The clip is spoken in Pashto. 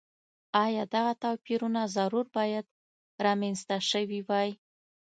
ایا دغه توپیرونه ضرور باید رامنځته شوي وای.